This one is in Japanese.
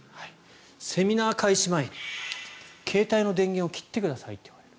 セミナー開始前に携帯の電源を切ってくださいと言われる。